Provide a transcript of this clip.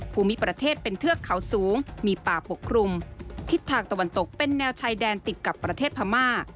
ภูมิประเทศเป็นเทือกเขาสูงมีป่าปกคลุมทิศทางตะวันตกเป็นแนวชายแดนติดกับประเทศพม่า